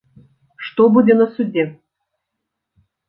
Што будзе на судзе.